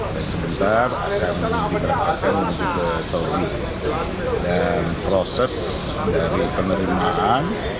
dan sebentar akan diberangkatkan untuk seluruh proses dari penerimaan